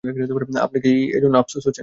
আপনার কি এজন্য আফসোস হচ্ছে?